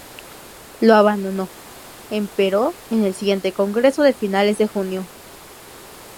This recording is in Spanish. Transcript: Lo abandonó, empero, en el siguiente congreso de finales de junio.